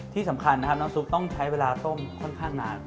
ที่สำคัญนะครับน้ำซุปต้องใช้เวลาต้มค่อนข้างนาน